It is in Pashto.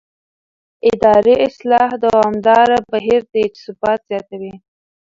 اداري اصلاح دوامداره بهیر دی چې ثبات زیاتوي